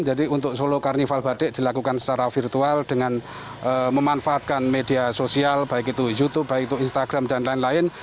jadi untuk solo carnival batik dilakukan secara virtual dengan memanfaatkan media sosial baik itu youtube instagram dan lain lain